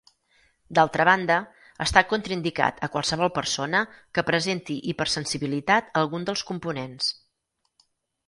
D'altra banda, està contraindicat a qualsevol persona que presenti hipersensibilitat a algun dels components.